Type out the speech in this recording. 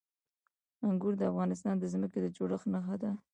انګور د افغانستان د ځمکې د جوړښت نښه ده.